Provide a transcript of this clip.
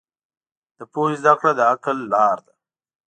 د پوهې زده کړه د عقل لاره ده.